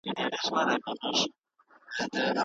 د املا د لاري د جملو جوړښت په ذهن کي کښېني.